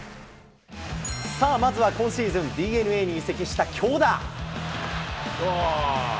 さあ、まずは今シーズン、ＤｅＮＡに移籍した京田。